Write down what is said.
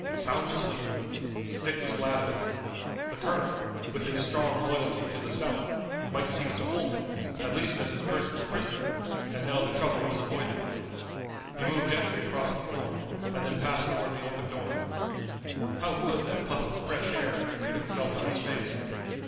Sound asleep! Dick was glad of it. The colonel, with his strong loyalty to the South, might seek to hold him, at least as his personal prisoner, and now the trouble was avoided. He moved gently across the floor, and then passed toward the open door. How good that puff of fresh air and freedom felt on his face!